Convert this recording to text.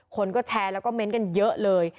คนก็แชร์แล้วก็เม้นต์กันเยอะเลย